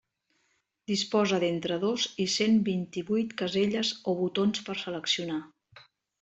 Disposa d'entre dos i cent vint-i-vuit caselles o botons per seleccionar.